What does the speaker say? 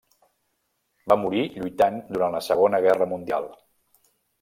Va morir lluitant durant la Segona Guerra Mundial.